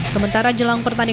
sementara jelang pertarungan